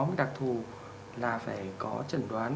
một đặc thù là phải có trần đoán